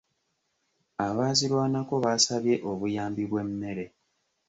Abaazirwanako baasabye obuyambi bw'emmere .